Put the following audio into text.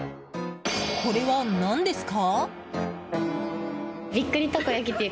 これは何ですか？